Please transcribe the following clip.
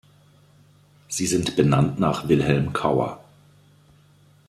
Sie sind benannt nach Wilhelm Cauer.